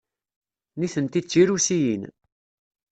Nitenti d Tirusiyin.